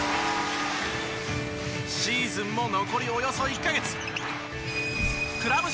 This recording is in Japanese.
シーズンも残りおよそ１カ月。